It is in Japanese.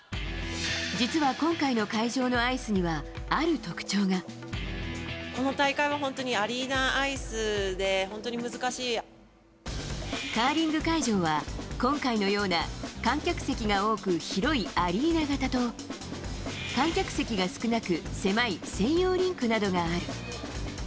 実は今回の会場のアイスには、この大会は本当に、アリーナカーリング会場は、今回のような観客席が多く広いアリーナ型と、観客席が少なく狭い専用リンクなどがある。